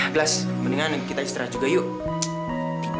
mendingan kita istirahat juga yuk